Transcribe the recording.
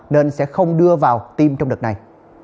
nên sẽ không đưa vào tiêm trong đợt này